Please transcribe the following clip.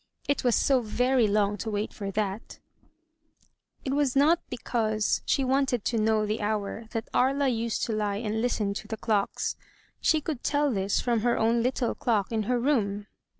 It was so very long to wait for that! 253 MY BOOK HOUSE It was not because she wanted to know the hour that Aria used to lie and listen to the clocks. She could tell this from her own little clock in her room.